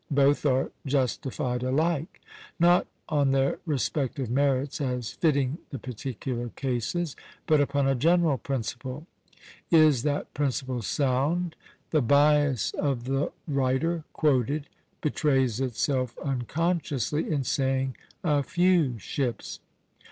Both are justified alike; not on their respective merits as fitting the particular cases, but upon a general principle. Is that principle sound? The bias of the writer quoted betrays itself unconsciously, in saying "a few ships."